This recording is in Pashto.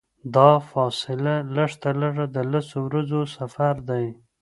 دا فاصله لږترلږه د لسو ورځو سفر دی.